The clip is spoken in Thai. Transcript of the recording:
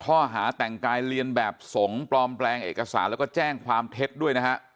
ข้อหาแต่งกายเรียนแบบสงฆ์ปลอมแปลงเอกสารแล้วก็แจ้งความเท็จด้วยนะฮะ